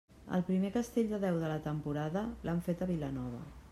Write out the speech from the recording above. El primer castell de deu de la temporada l'han fet a Vilanova.